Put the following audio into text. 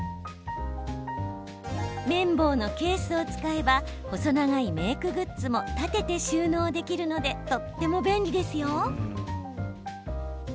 麺棒のケースを使えば細長いメークグッズも立てて収納できるのでとっても便利ですよ。